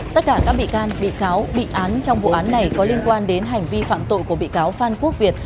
tất cả các bị can bị cáo bị án trong vụ án này có liên quan đến hành vi phạm tội của bị cáo phan quốc việt